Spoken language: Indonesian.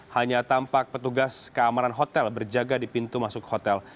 hanya tampak petugas keamanan hotel berjaga di pintu masuk hotel